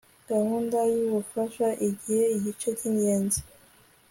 gahunda y'ubufasha igize igice cy'ingenzi